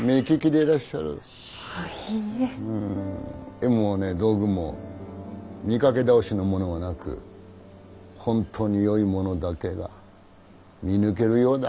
絵もね道具も見かけ倒しのものはなく本当によいものだけが見抜けるようだ。